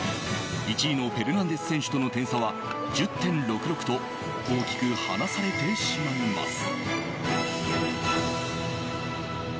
１位のフェルナンデス選手との点差は１０．６６と大きく離されてしまいます。